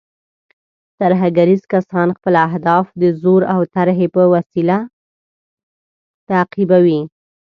ترهګریز کسان خپل اهداف د زور او ترهې په وسیله تعقیبوي.